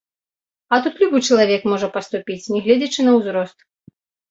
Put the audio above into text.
А тут любы чалавек можа паступіць, нягледзячы на ўзрост.